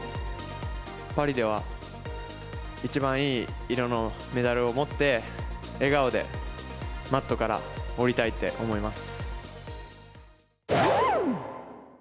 パリでは一番いい色のメダルを持って笑顔でマットから降りたいって思います。